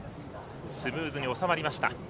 スムーズに収まりました。